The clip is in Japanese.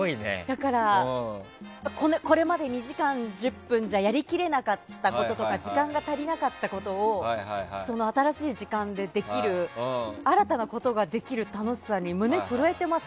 だからこれまで２時間１０分じゃやりきれなかったこととか時間が足りなかったことを新しい時間でできる新たなことができる楽しさに胸、震えてます。